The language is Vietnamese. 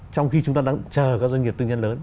trong khi chúng ta đang chờ các doanh nghiệp tự nhiên lớn